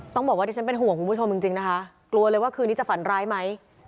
ต้องบอกว่าที่ฉันเป็นห่วงคุณผู้ชมจริงนะคะกลัวเลยว่าคืนนี้จะฝันร้ายไหม